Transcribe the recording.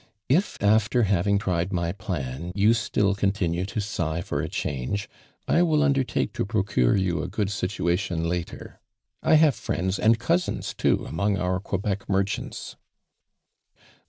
If after having tried my plan, you still con tinue to sigh for a change^ I will undertake to procure you a good situation later. I lia\ J friends aad cousins too among our Quebec merchants."